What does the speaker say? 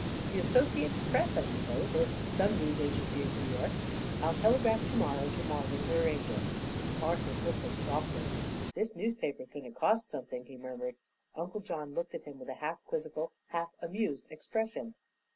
"The Associated Press, I suppose, or some news agency in New York. I'll telegraph to morrow to Marvin to arrange it." Arthur whistled softly. "This newspaper is going to cost something," he murmured. Uncle John looked at him with a half quizzical, half amused expression.